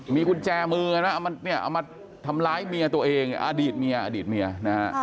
มีกุญแจมือนะเอามาทำร้ายเมียตัวเองอดีตเมียนะฮะ